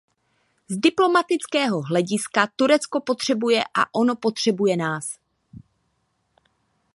Z diplomatického hlediska Turecko potřebujeme a ono potřebuje nás.